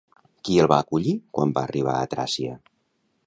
Qui el va acollir quan va arribar a Tràcia?